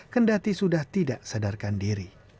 kendati sudah tidak sadarkan diri